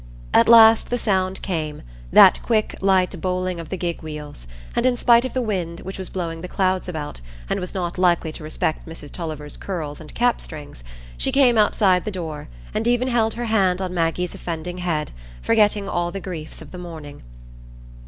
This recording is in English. At last the sound came,—that quick light bowling of the gig wheels,—and in spite of the wind, which was blowing the clouds about, and was not likely to respect Mrs Tulliver's curls and cap strings, she came outside the door, and even held her hand on Maggie's offending head, forgetting all the griefs of the morning.